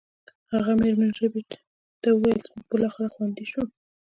هغه میرمن ربیټ ته وویل چې موږ بالاخره خوندي شو